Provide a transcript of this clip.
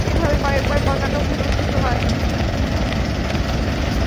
এভাবে কয়েকবার পতাকা ভূলুণ্ঠিত হয়।